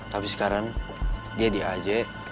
tapi sekarang dia di aj